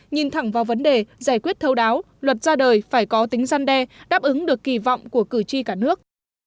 nhìn thẳng vào vấn đề giải quyết thâu đáo luật ra đời phải có tính gian đe đáp ứng được kỳ vọng của cử tri cả nước